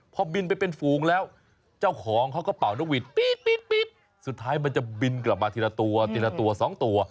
พอบินไปเป็นฝูงแล้วเจ้าของเขาก็เป่านกหวีดปี๊ดสุดท้ายมันจะบินกลับมาทีละตัวทีละตัวสองตัว